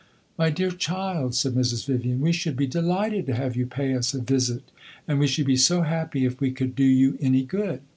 "My dear child," said Mrs. Vivian, "we should be delighted to have you pay us a visit, and we should be so happy if we could do you any good.